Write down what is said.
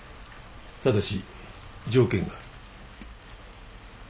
ただし条件がある。